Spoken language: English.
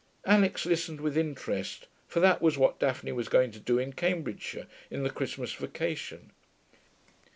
Alix listened with interest, for that was what Daphne was going to do in Cambridgeshire in the Christmas vacation.